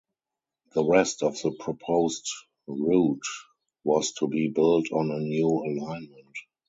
The rest of the proposed route was to be built on a new alignment.